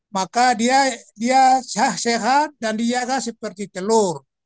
maka dia sehat dan dijaga seperti telur